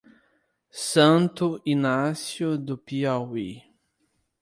Santo Inácio do Piauí